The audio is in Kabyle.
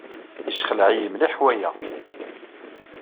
Yessexleɛ-iyi mliḥ waya.